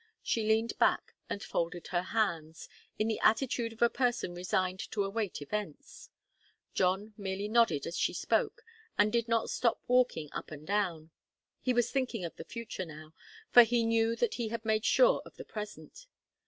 She leaned back and folded her hands, in the attitude of a person resigned to await events. John merely nodded as she spoke, and did not stop walking up and down. He was thinking of the future now, for he knew that he had made sure of the present.